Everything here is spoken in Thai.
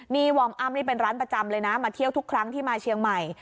นี่วอร์มอ้ำนี่เป็นร้านประจำเลยนะมาเที่ยวทุกครั้งที่มาเชียงใหม่